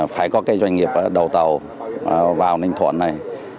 phải có cái doanh nghiệp đầu tàu vào ninh thuận này